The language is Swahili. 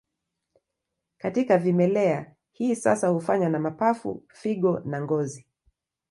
Katika vimelea, hii hasa hufanywa na mapafu, figo na ngozi.